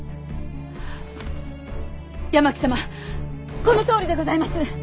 このとおりでございます！